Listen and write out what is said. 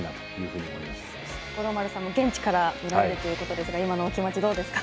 五郎丸さんも現地から見られるということですが今のお気持ちどうですか？